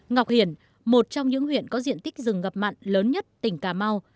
ngọc hiển một trong những huyện có diện tích rừng ngập mặn lớn nhất tỉnh cà mau